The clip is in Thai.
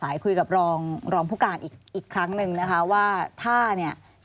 เริ่มคุยกับรองรองผู้การอีกครั้งหนึ่งนะคะว่าท่าเนี่ยก่อนจะมาเป็นท่านั้นมันมีท่าอื่นไหม